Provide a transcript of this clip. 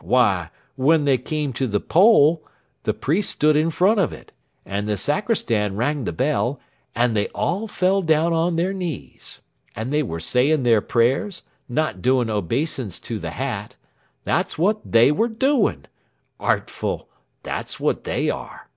Why, when they came to the pole, the priest stood in front of it, and the sacristan rang the bell, and they all fell down on their knees. But they were saying their prayers, not doing obeisance to the hat. That's what they were doing. Artful that's what they are!"